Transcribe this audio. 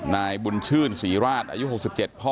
นายบุญชื่นศรีราชอายุ๖๗พ่อ